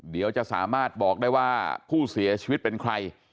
เดี๋ยวจะสามารถบอกได้ว่าผู้เสียชีวิตเป็นใคร